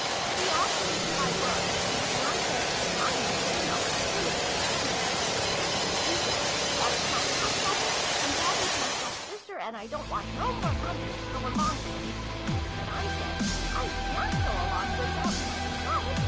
" He asked me who I were. And I said ' I'm Bruno : who is these peoples ?' And he said ' One's my half brother, and t'other's my half sister : and I don't want no more company ! Go along with yer !' And I said 'I ca'n't go along wizout mine self!'